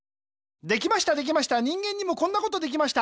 できましたできました人間にもこんなことできました。